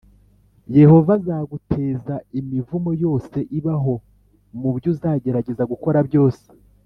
yehova azaguteza imivumoyose ibaho mu byo uzagerageza gukora byose,